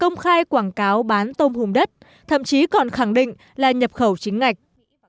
công khai quảng cáo bán tôm hùm đất thậm chí còn khẳng định là nhập khẩu chính ngạch